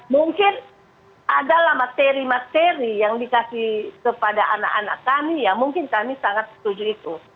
mungkin adalah materi materi yang dikasih kepada anak anak kami yang mungkin kami sangat setuju itu